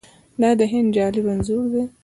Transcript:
دا د هند جالب انځور دی.